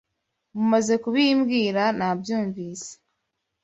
Mumaze kubimbwira nabyumvise.